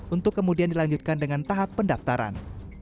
untuk kemudian dilanjutkan dengan tahap pendaftaran